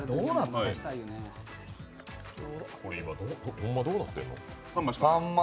ホンマどうなってんの？